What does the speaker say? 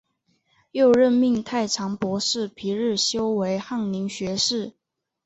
又任命太常博士皮日休为翰林学士。